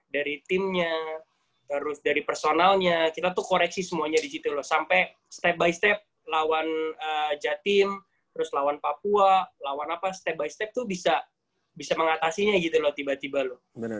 dari timnya terus dari personalnya kita tuh koreksi semuanya di situ loh sampai step by step lawan jatim terus lawan papua lawan apa step by step tuh bisa mengatasinya gitu loh tiba tiba loh